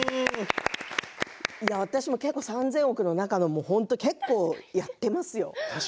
私も３０００億の中の結構やっていますよ。